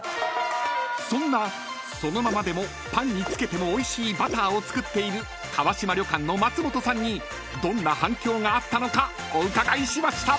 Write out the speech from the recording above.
［そんなそのままでもパンに付けてもおいしいバターを作っている川島旅館の松本さんにどんな反響があったのかお伺いしました］